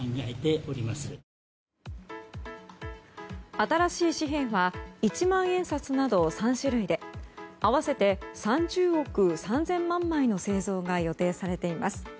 新しい紙幣は一万円札など３種類で合わせて３０億３０００万枚の製造が予定されています。